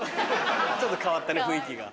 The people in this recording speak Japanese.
ちょっと変わったね雰囲気が。